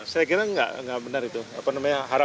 saya kira nggak benar itu harapan itu memang ada